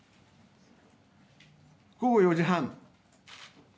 午後４時半。